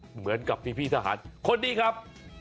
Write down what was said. เหมือนกับพี่โทษให้ครับ